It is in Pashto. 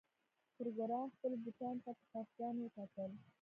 پروګرامر خپلو بوټانو ته په خفګان وکتل